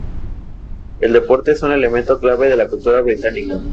El deporte es un elemento clave de la cultura británica.